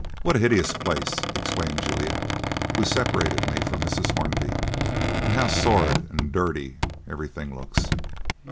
"What a hideous place!" exclaimed Juliet, who separated me from Mrs. Hornby. "And how sordid and dirty everything looks!"